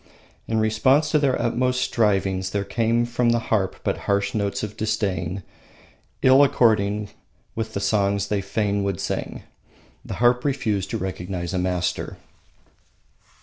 In response to their utmost strivings there came from the harp but harsh notes of disdain, ill according with the songs they fain would sing. The harp refused to recognise a master.